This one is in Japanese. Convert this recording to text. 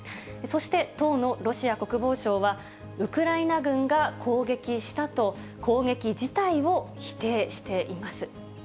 そして、当のロシア国防省は、ウクライナ軍が攻撃したと、攻撃自体を否定しています。